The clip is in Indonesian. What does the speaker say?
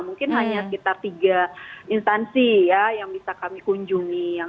mungkin hanya sekitar tiga instansi ya yang bisa kami kunjungi